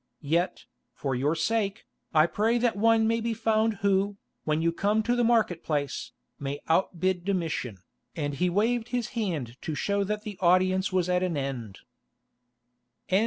Yet, for your sake, I pray that one may be found who, when you come to the market place, may outbid Domitian," and he waved his hand to show that the audience was at an end.